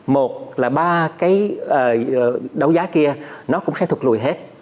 một là ba cái đấu giá kia nó cũng sẽ thụt lùi hết